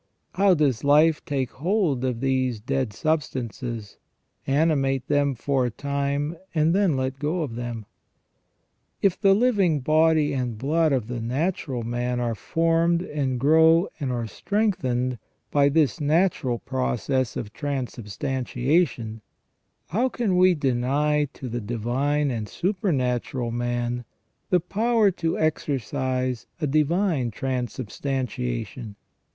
How does life take hold of these dead substances, animate them for a time, and then let go of them ? If the living body and blood of the natural man are formed, and grow, and are strengthened, by this natural process of transubstantiation, how can we deny to the divine and supernatural man the power to exercise a divine transubstantiation